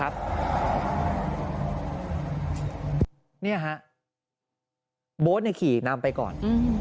โบ๊ทขี่นำไปก่อน